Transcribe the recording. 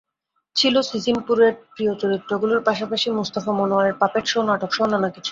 ছিল সিসিমপুরের প্রিয় চরিত্রগুলোর পাশাপাশি মুস্তাফা মনোয়ারের পাপেট শো, নাটকসহ নানা কিছু।